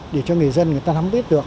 để cho người dân người ta nắm biết được